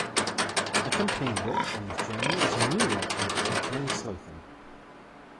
Accompanying Wik on his journey is a mule-like creature named Slotham.